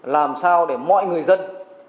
làm sao để mọi người dân